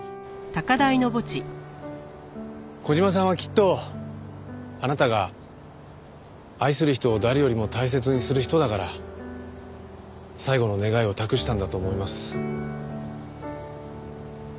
小島さんはきっとあなたが愛する人を誰よりも大切にする人だから最後の願いを託したんだと思います。